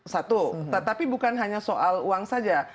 satu tetapi bukan hanya soal uang saja